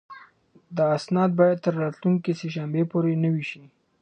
دا اسناد باید تر راتلونکې سه شنبې پورې نوي شي.